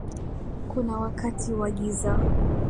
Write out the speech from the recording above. Kuna wakati wa giza